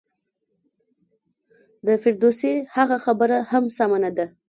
د فردوسي هغه خبره هم سمه نه ده.